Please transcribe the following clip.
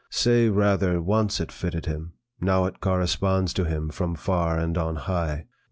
Say, rather, once it fitted him, now it corresponds to him from far and on high.